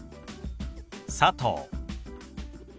「佐藤」。